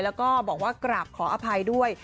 แล้วก็บอกว่ากราบขออภัยด้วย